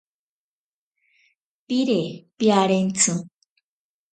Pire piarentsi.